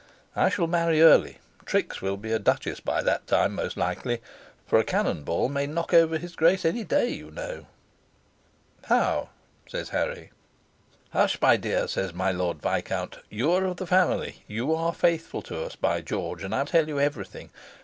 I shall marry early Trix will be a duchess by that time, most likely; for a cannon ball may knock over his grace any day, you know." "How?" says Harry. "Hush, my dear!" says my Lord Viscount. "You are of the family you are faithful to us, by George, and I tell you everything.